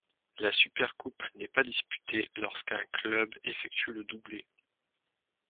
La Supercoupe n'est pas disputée lorsqu'un club effectue le doublé.